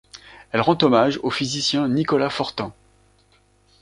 Elle rend hommage au physicien Nicolas Fortin.